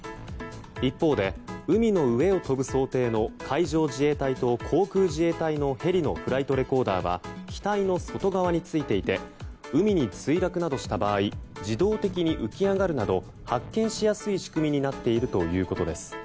一方で、海の上を飛ぶ想定の海上自衛隊と航空自衛隊のヘリのフライトレコーダーは機体の外側についていて海に墜落などした場合自動的に浮き上がるなど発見しやすい仕組みになっているということです。